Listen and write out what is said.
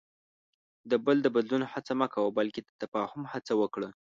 د بل د بدلون هڅه مه کوه، بلکې د تفاهم هڅه وکړه.